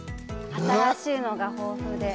新しいのが豊富で。